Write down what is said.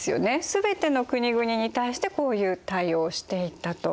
全ての国々に対してこういう対応をしていたと。